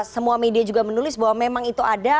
semua media juga menulis bahwa memang itu ada